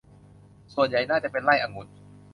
ส่วนใหญ่น่าจะเป็นไร่องุ่น